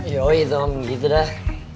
yoi dong gitu dah